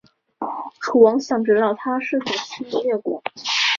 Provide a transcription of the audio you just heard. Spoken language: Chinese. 楚王想知道他是否思念越国。